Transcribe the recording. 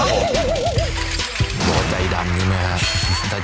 โควะใจดำใช่ไหมครับ